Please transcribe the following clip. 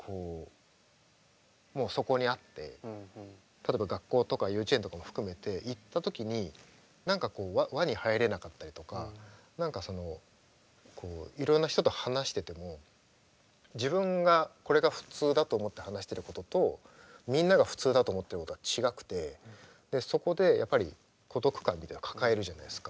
例えば学校とか幼稚園とかも含めて行った時に何かこう輪に入れなかったりとか何かそのいろんな人と話してても自分がこれが普通だと思って話してることとみんなが普通だと思ってることが違くてそこでやっぱり孤独感みたいなのを抱えるじゃないですか。